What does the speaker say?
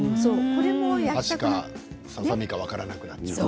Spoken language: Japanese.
お箸かささ身か分からなくなっちゃう。